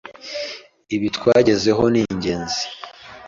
Ibi twagezeho ni ingenzi